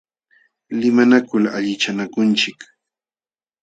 Limanakul allichanakunchik.